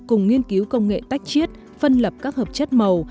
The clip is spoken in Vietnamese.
cùng nghiên cứu công nghệ tách chiết phân lập các hợp chất màu